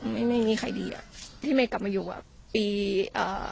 ไม่มีใครดีอ่ะที่เมย์กลับมาอยู่อ่ะปีอ่า